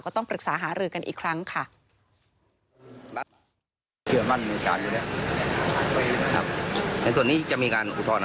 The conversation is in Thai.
ต้องปรึกษาหารือกันอีกครั้งค่ะ